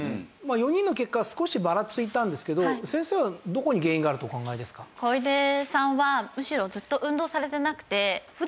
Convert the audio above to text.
４人の結果が少しバラついたんですけど先生はどこに原因があるとお考えですか？と思います。